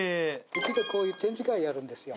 うちでこういう展示会やるんですよ。